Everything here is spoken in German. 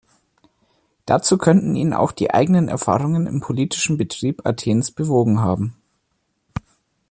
Dazu könnten ihn auch die eigenen Erfahrungen im politischen Betrieb Athens bewogen haben.